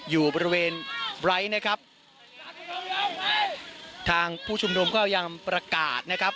อยู่บริเวณไลท์นะครับทางผู้ชุมนุมก็ยังประกาศนะครับ